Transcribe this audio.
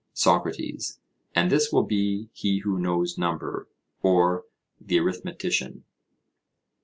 SOCRATES: And this will be he who knows number, or the arithmetician?